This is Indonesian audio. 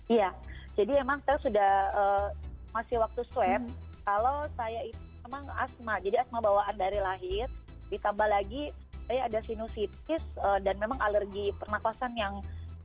iya jadi emang saya sudah masih waktu swab kalau saya itu memang asma jadi asma bawaan dari lahir ditambah lagi saya ada sinusitis dan memang alergi pernafasan yang